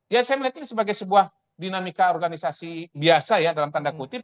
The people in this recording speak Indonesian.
ya saya melihat ini sebagai sebuah dinamika organisasi biasa ya dalam tanda kutip